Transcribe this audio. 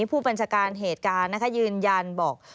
ผู้บัญชาการเหตุการณ์นะคะยืนยันบอก